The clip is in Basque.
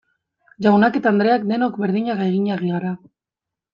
Jaunak eta andreak denok berdinak eginak gara.